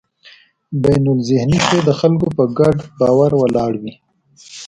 بینالذهني شی د خلکو په ګډ باور ولاړ وي.